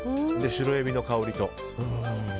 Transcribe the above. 白エビの香りと。